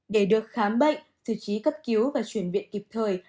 để được khám bệnh thư trí cấp cứu và chuyển viện kịp thời